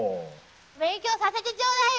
勉強させてちょうだいよ！